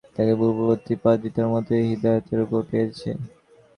আল্লাহর কসম করে বলছি, আমি তাঁকে পূর্ববর্তী পাদ্রীদের মতই হিদায়াতের উপর পেয়েছি।